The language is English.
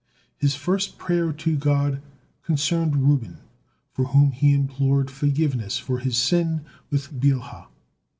His first prayer to God concerned Reuben, for whom he implored forgiveness for his sin with Bilhah.